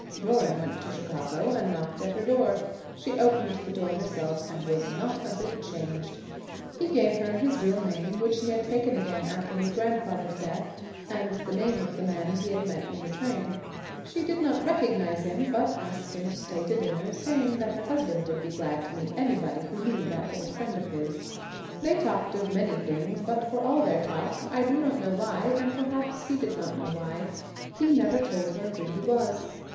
Doran went to Chicago and knocked at her door. She opened the door herself, and was ' not a bit changed.' He gave her his real name, which he had taken again after his grandfather's death, and the name of the man he had met in the train. She did not recognize him, but asked him to stay to dinner, saying that her husband would be glad to meet anybody who knew that old friend of his. They talked of many things, but for all their talk, I do not know why, and perhaps he did not know why, he never told her who he was.